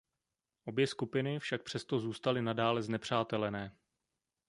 Obě skupiny však přesto zůstaly nadále znepřátelené.